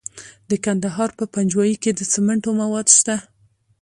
د کندهار په پنجوايي کې د سمنټو مواد شته.